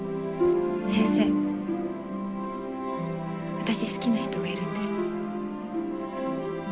私好きな人がいるんです。